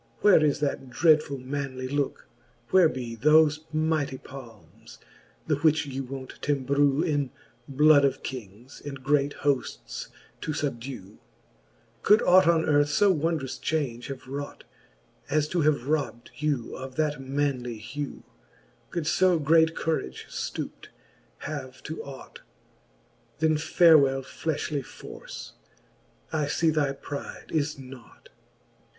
Where is that dreadfuU manly looke? where be Thole mighty palmes, the which ye wont t'embrew In bloud of kings, and great hoaftes to fubdew? Could ought on earth io wondrous chaunge have wrought^ As to have robde you of that manly hew ? Could fo great courage ftouped have to ought ? Then farewell flelhly force j I fee thy pride is nought.